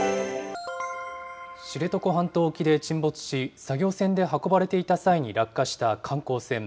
知床半島沖で沈没し、作業船で運ばれていた際に落下した観光船。